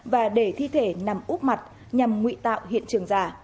và để thi thể nằm úp mặt nhằm nguy tạo hiện trường giả